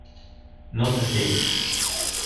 Not a thing.